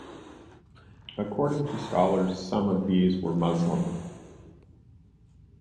According to scholars, some of these were Muslim.